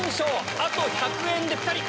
あと１００円でピタリ！